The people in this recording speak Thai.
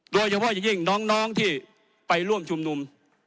โดยเฉพาะอย่างยิ่งน้องที่ไปร่วมชุมนุม